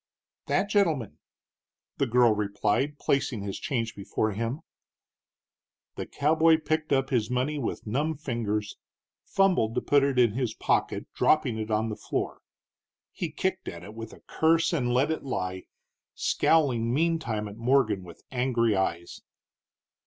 "That gentleman," the girl replied, placing his change before him. The cowboy picked up his money with numb fingers, fumbled to put it in his pocket, dropping it on the floor. He kicked at it with a curse and let it lie, scowling meantime at Morgan with angry eyes.